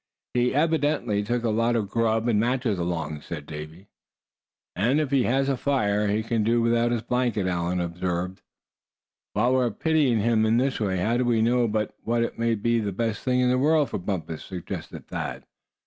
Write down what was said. "He evidently took a lot of grub and matches along," said Davy. "And if he has a fire, he can do without his blanket," Allan observed. "While we're pitying him in this way, how do we know but what it may be the best thing in the world for Bumpus," suggested Thad.